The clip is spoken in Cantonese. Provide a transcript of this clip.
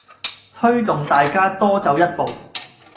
推動大家多走一步